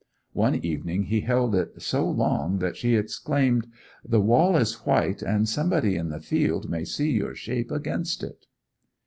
One evening he held it so long that she exclaimed, 'The wall is white, and somebody in the field may see your shape against it!